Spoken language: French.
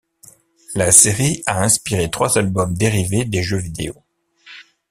La série a inspirée trois albums dérivés des jeux vidéo.